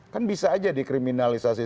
kan bisa aja dikriminalisasi